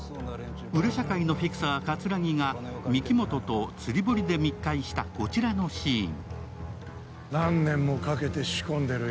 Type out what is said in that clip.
裏社会のフィクサー・桂木が御木本と釣り堀で密会したこちらのシーン。